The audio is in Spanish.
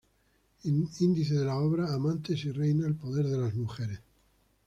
Índice de la obra "Amantes y reinas el poder de las mujeres".